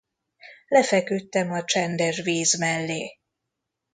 Lefeküdtem a csendes víz mellé.